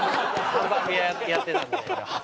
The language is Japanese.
ハンバーグ屋やってたんで。